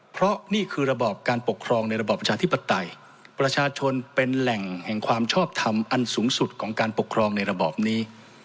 เพราะนี่คือระบอบการปกครองในระบอบประชาธิปไตยประชาชนเป็นแหล่งแห่งความชอบทำอันสูงสุดของการปกครองในระบอบนี้